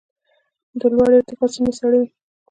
د لوړې ارتفاع سیمې سړې وي.